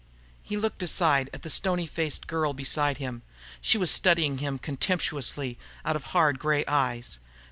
He looked aside at the stony faced girl beside him. She was studying him contemptuously out of hard gray eyes.